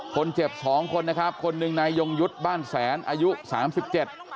คนเจ็บสองคนนะครับคนหนึ่งนายยงยุทธ์บ้านแสนอายุสามสิบเจ็ด